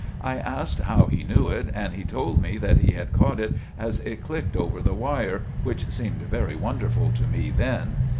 I asked how he knew it, and he told me that he had caught it as it clicked over the wire, which seemed very wonderful to me then.